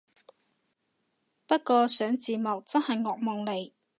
不過上字幕真係惡夢嚟